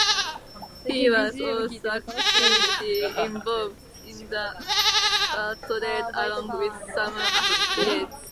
He was also actively involved in the fur trade along with some associates.